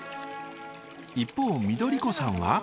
一方緑子さんは。